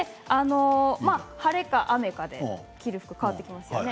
晴れか雨かで着る服が変わってきますよね。